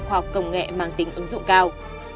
hoặc công nghệ mang tính ứng dụng cao